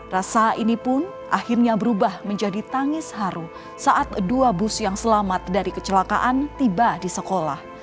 rasa ini pun akhirnya berubah menjadi tangis haru saat dua bus yang selamat dari kecelakaan tiba di sekolah